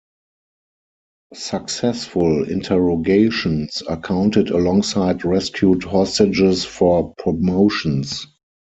Successful interrogations are counted alongside rescued hostages for promotions.